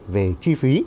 về chi phí